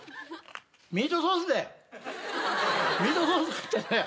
ミートソースだよ。